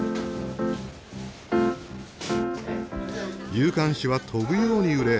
夕刊紙は飛ぶように売れ